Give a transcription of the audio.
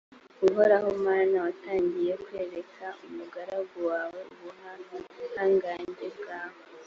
uhoraho mana, watangiye kwereka umugaragu wawe ubuhangange bwawe